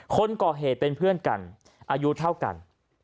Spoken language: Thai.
คนก่อเหตุเป็นเพื่อนกันอายุเท่ากัน